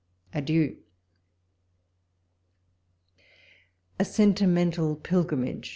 Adieu ! A SENTIMENTAL PILGRIMAGE.